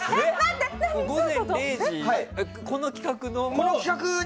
「午前０時の森」のこの企画の？